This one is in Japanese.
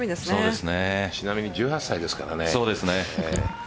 ちなみに１８歳ですからね。